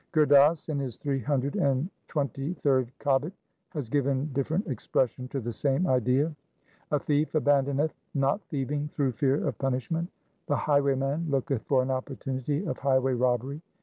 1 Gur Das in his three hundred and twenty third Kabit has given different expression to the same idea :— A thief abandoneth not thieving through fear of punish ment. The highwayman looketh for an opportunity of highway robbery.